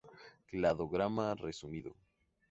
Cladograma resumido.